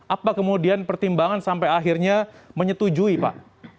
apa kemudian pertimbangan sampai akhirnya menyetujui pak